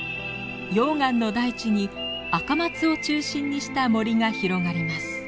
溶岩の大地にアカマツを中心にした森が広がります。